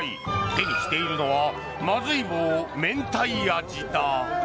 手にしているのはまずい棒めんたい味だ。